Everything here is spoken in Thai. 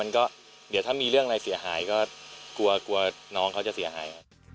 ก็เดี๋ยวถ้ามีเรื่องอะไรเสียหายก็กลัวกลัวน้องเขาจะเสียหาย